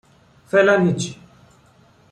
فعلن هیچی